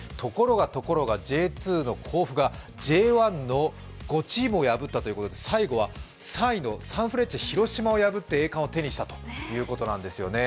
ところがＪ２の甲府がＪ１の５チームを破ったということで最後は３位のサンフレッチェ広島を破って栄冠を手にしたということなんですよね。